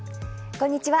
こんにちは。